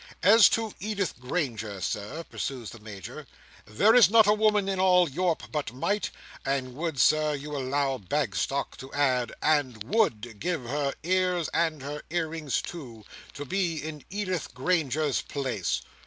"As to Edith Granger, Sir," pursues the Major, "there is not a woman in all Europe but might—and would, Sir, you will allow Bagstock to add—and would—give her ears, and her earrings, too, to be in Edith Granger's place."